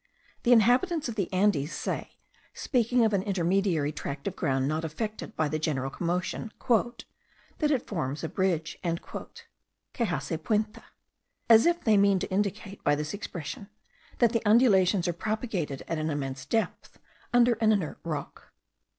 The inhabitants of the Andes say, speaking of an intermediary tract of ground, not affected by the general commotion, "that it forms a bridge" (que hace puente): as if they mean to indicate by this expression that the undulations are propagated at an immense depth under an inert rock.